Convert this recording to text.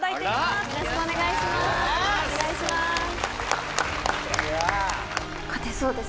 よろしくお願いします